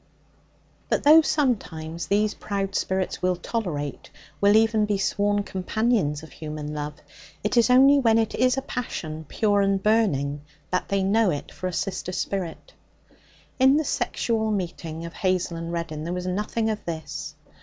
But though sometimes these proud spirits will tolerate, will even be sworn companions of human love, it is only when it is a passion pure and burning that they know it for a sister spirit. In the sexual meeting of Hazel and Reddin there was nothing of this.